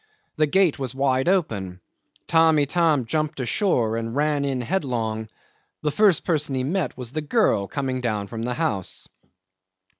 The gate was wide open. Tamb' Itam jumped ashore and ran in headlong. The first person he met was the girl coming down from the house.